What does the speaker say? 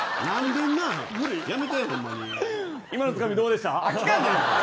今のつかみどうでしたか。